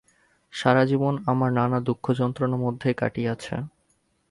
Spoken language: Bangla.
সারা জীবন আমার নানা দুঃখযন্ত্রণার মধ্যেই কাটিয়াছে।